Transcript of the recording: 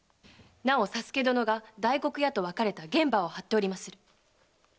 なお佐助殿が大黒屋と別れた玄馬を張っております。